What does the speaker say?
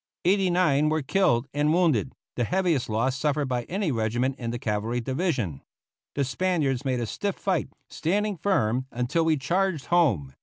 Eighty nine were killed and wounded: the heaviest loss suffered by any regiment in the cavalry division. The Spaniards made a stiff fight, standing firm until we charged home.